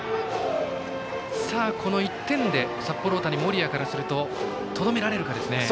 この１点で札幌大谷、森谷からするととどめられるかですね。